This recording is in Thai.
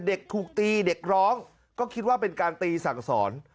เด็กถูกตีเด็กร้องก็คิดว่าเป็นการตีสั่งสอน